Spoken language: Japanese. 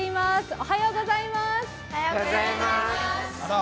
おはようございます。